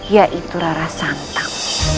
yaitu rara santam